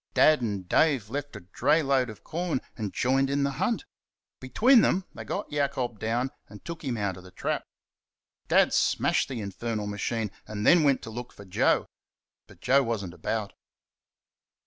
Dad and Dave left a dray load of corn and joined in the hunt. Between them they got Jacob down and took him out of the trap. Dad smashed the infernal machine, and then went to look for Joe. But Joe was n't about.